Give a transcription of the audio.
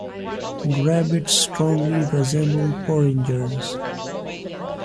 Grabits strongly resemble porringers.